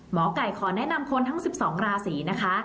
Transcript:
หมอไก่ขอแนะนำคนทั้ง๑๒ราศีนะคะ